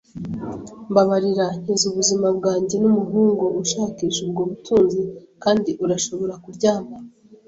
mbabarira, nkiza ubuzima bwanjye n'umuhungu ushakisha ubwo butunzi; kandi urashobora kuryama